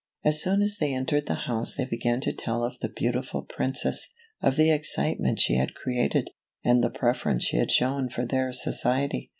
As soon as they entered the house they began to tell of the beautiful Princess, of the excitement she had created, and the preference she had shown for their society.